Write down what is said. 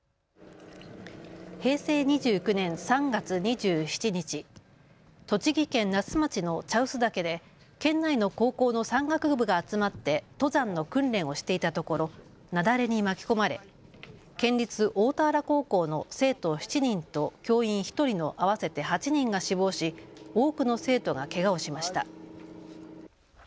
平成２９年３月２７日、栃木県那須町の茶臼岳で県内の高校の山岳部が集まって登山の訓練をしていたところ雪崩に巻き込まれ県立大田原高校の生徒７人と教員１人の合わせて８人が死亡し多くの生徒がけがをしました。